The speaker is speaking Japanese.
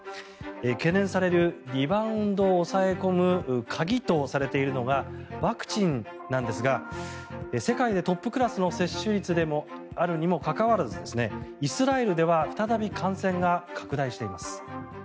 懸念されるリバウンドを抑え込む鍵とされているのがワクチンなんですが世界でトップクラスの接種率であるにもかかわらずイスラエルでは再び感染が拡大しています。